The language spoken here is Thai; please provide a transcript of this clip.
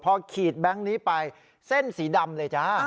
พอขีดแบงค์นี้ไปเส้นสีดำเลยจ้า